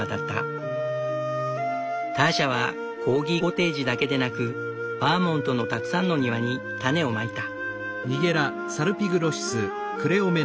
ターシャはコーギコテージだけでなくバーモントのたくさんの庭に種をまいた。